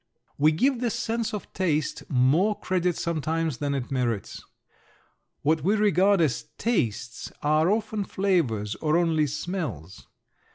We give the sense of taste more credit sometimes than it merits. What we regard as tastes are often flavors or only smells.